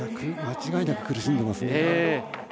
間違いなく苦しんでいますよ。